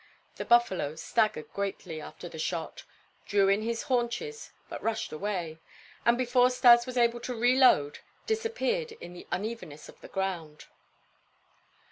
The buffalo staggered greatly after the shot, drew in his haunches, but rushed away, and before Stas was able to reload disappeared in the unevenness of the ground.